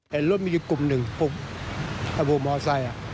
เห็นรถมีอีกกลุ่มหนึ่งปุ๊บถ้าพูดมอเซ็ต